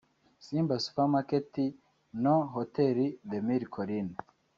Simba Supermarket no Hôtel des Mille Collines